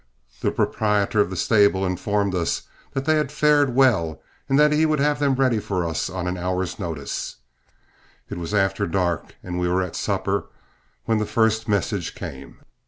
The proprietor of the stable informed us that they had fared well, and that he would have them ready for us on an hour's notice. It was after dark and we were at supper when the first message came.